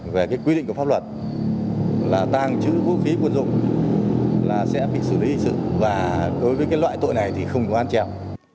về quy định của pháp luật là tàng trữ vũ khí quân dụng là sẽ bị xử lý sự và đối với loại tội này thì không có an trèo